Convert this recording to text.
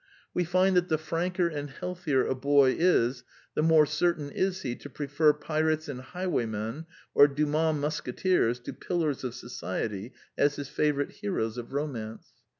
We find that the franker and healthier a boy is, the more certain is he to pre fer pirates and highwaymen, or Dumas mus keteers, to " pillars of society " as his favorite heroes of romance.